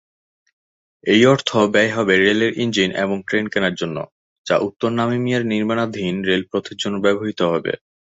এই অর্থ ব্যয় হবে রেলের ইঞ্জিন এবং ট্রেন কেনার জন্য, যা উত্তর নামিবিয়ার নির্মাণাধীন রেলপথের জন্য ব্যবহৃত হবে।